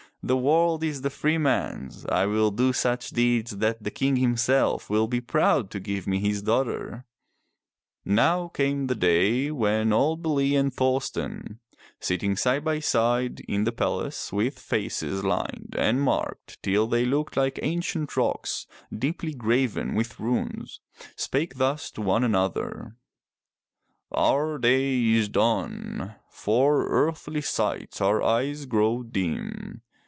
"The world is the freeman's. I will do such deeds that the King himself will be proud to give me his daughter." Now came the day when old Bele and Thorsten sitting side by side in the palace with faces lined and marked till they looked like ancient rocks deeply graven with runes, spake thus to one another: "Our day is done. For earthly sights our eyes grow dim.